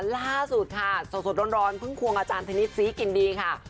ล่าสุดค่ะสดร้อนเพิ่งควงอาจารย์ธนิษฐศรีกินดีค่ะ